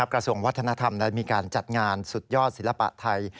กระทรวงวัฒนธรรมได้มีการจัดงานสุดยอดศิลปะไทย